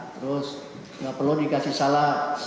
terus tidak perlu dikasih salak